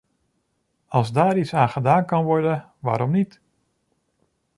Als daar iets aan gedaan kan worden, waarom niet?